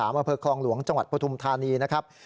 อเวิร์กคลองหลวงจังหวัดพทุมธานีนะครับ